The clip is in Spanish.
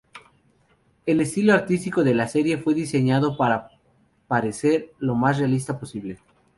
El estilo artístico de la serie fue diseñado para parecer lo más realista posible.